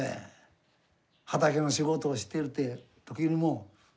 畑の仕事をしているという時にも。